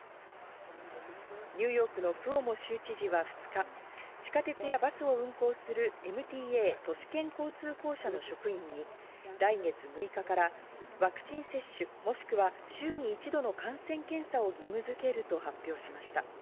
ニューヨークのクオモ州知事は２日、地下鉄やバスを運行するＭＴＡ＝都市圏交通公社の職員に来月６日からワクチン接種もしくは週に一度の感染検査を義務づけると発表しました。